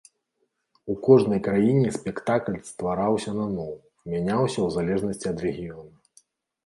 У кожнай краіне спектакль ствараўся наноў, мяняўся ў залежнасці ад рэгіёна.